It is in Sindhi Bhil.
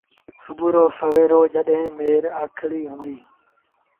سُڀوٚ رو سويرو جڏهيݩٚ ميرآکڙيٚ هُنٚديٚ